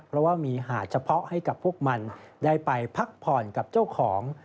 เพราะว่ามีหาดเฉพาะให้กับพวกมันได้ไปพักผ่อนกับเจ้าของ